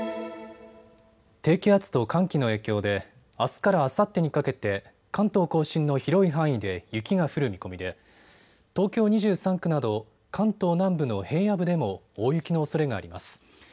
低気圧と寒気の影響であすからあさってにかけて関東甲信の広い範囲で雪が降る見込みで東京２３区など関東南部の平野部でも大雪のおそれがあります。